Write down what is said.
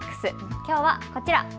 きょうはこちら。